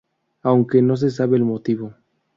Aunque no se sabe el motivo...